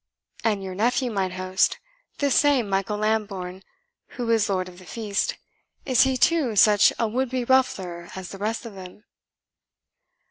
"And your nephew, mine host, this same Michael Lambourne, who is lord of the feast is he, too, such a would be ruffler as the rest of them?"